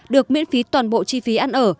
được miễn phí toàn bộ chi phí ăn ở